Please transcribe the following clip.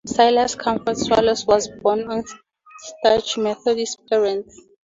Silas Comfort Swallow was born of staunch Methodist parents.